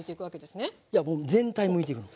いやもう全体むいていくの。